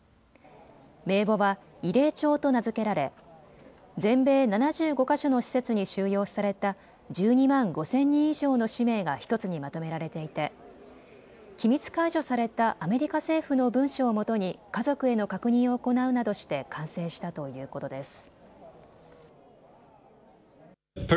名簿は慰霊帳と名付けられ、全米７５か所の施設に収容された１２万５０００人以上の氏名が１つにまとめられていて機密解除されたアメリカ政府の文書をもとに家族への確認を行うなどして完成したということです。